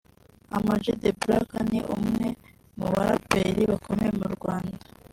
Ama G The Black ni umwe mu baraperi bakomeye mu Rwanda